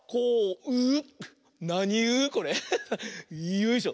よいしょ。